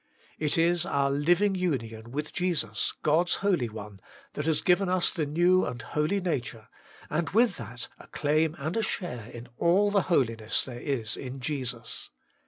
It is our living union with Jesus, God's Holy One, that has given us the new and holy nature, and with that a claim and a share in all the holiness there is in Jesus.